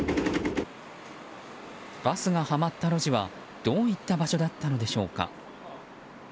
バスがはまった路地はどういった場所だったのでしょうか。